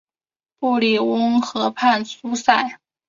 布里翁河畔苏塞。